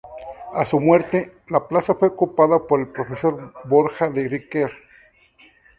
A su muerte, la plaza fue ocupada por el profesor Borja de Riquer.